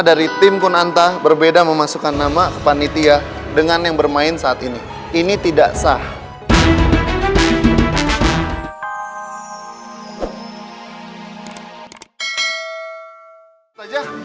dari tim kunanta berbeda memasukkan nama ke panitia dengan yang bermain saat ini ini tidak sah saja